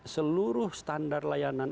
seluruh standar layanan